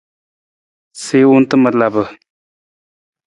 Siwung tamar lapa.